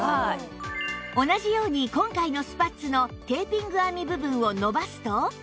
同じように今回のスパッツのテーピング編み部分を伸ばすと